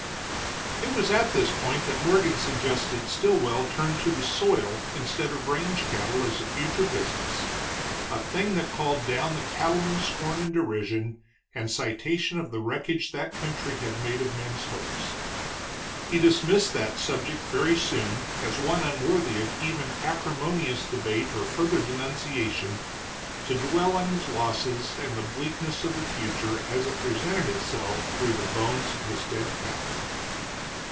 It was at this point that Morgan suggested Stilwell turn to the soil instead of range cattle as a future business, a thing that called down the cattleman's scorn and derision, and citation of the wreckage that country had made of men's hopes. He dismissed that subject very soon as one unworthy of even acrimonious debate or further denunciation, to dwell on his losses and the bleakness of the future as it presented itself through the bones of his dead cattle.